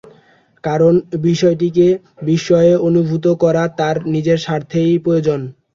কারণ মেয়েটিকে বিস্ময়ে অভিভূত করা তাঁর নিজের স্বার্থেই প্রয়োজন।